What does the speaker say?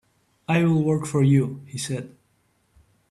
"I'll work for you," he said.